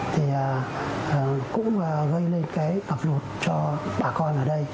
thì cũng gây lên cái ngập lụt cho bà con ở đây